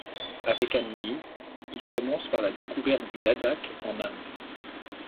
Avec Anne-Lise, ils commencent par la découverte du Ladakh en Inde.